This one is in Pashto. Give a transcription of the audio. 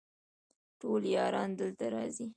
ټول یاران دلته راځي